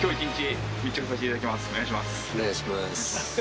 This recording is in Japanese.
お願いします。